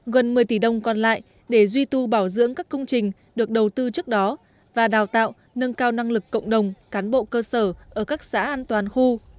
gần một mươi tỷ đồng còn lại để duy tu bảo dưỡng các công trình được đầu tư trước đó và đào tạo nâng cao năng lực cộng đồng cán bộ cơ sở ở các xã an toàn khu